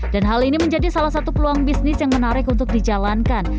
dan hal ini menjadi salah satu peluang bisnis yang menarik untuk dijalankan